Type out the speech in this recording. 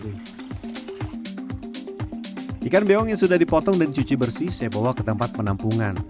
ikan beong yang sudah dipotong dan cuci bersih saya bawa ke tempat penampungan